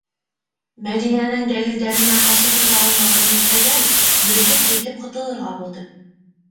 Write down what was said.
Мәҙинәнең дәлилдәренә ҡаршы тора алмаған Мирхәйҙәров дөрөҫөн әйтеп ҡотолорға булды: